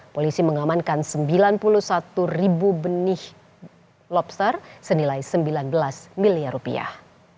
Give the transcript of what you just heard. polisi mengamankan sembilan puluh satu ribu benih lobster senilai sembilan belas miliar rupiah